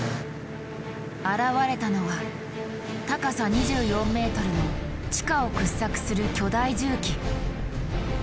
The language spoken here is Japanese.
現れたのは高さ２４ｍの地下を掘削する巨大重機。